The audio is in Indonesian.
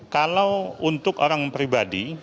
kalau untuk orang pribadi